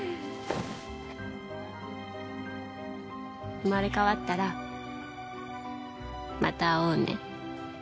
生まれ変わったらまた会おうね。